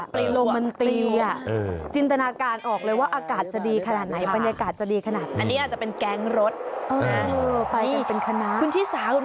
มีโลมันตีจินตนาการออกเลยว่าอากาศจะดีขนาดไหนบรรยากาศจะดีขนาดไหน